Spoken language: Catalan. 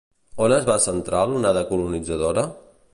On es va centrar l'onada colonitzadora?